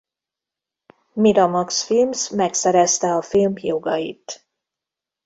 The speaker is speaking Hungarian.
Miramax Films megszerezte a film jogait.